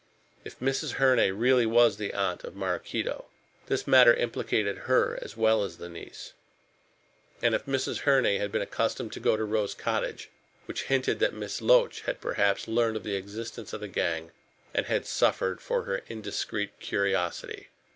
If Mrs. Herne really was the aunt of Maraquito, this matter implicated her as well as the niece. And Mrs. Herne had been accustomed to go to Rose Cottage, which hinted that Miss Loach had perhaps learned of the existence of the gang and had suffered for her indiscreet curiosity.